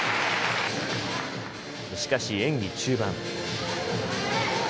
しかし演技中盤。